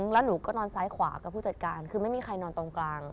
แล้วหนูก็นอนซ้ายขวากับผู้จัดการคือไม่มีใครนอนตรงกลาง